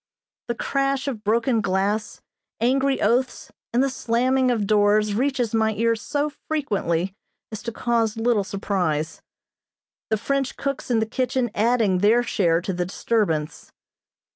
The crash of broken glass, angry oaths, and the slamming of doors reaches my ears so frequently as to cause little surprise, the French cooks in the kitchen adding their share to the disturbance.